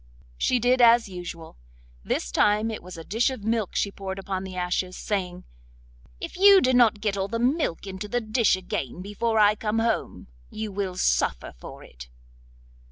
She did as usual. This time it was a dish of milk she poured upon the ashes, saying: 'If you do not get all the milk into the dish again before I come home, you will suffer for it.